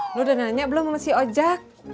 lo udah nanya belum sama si ojak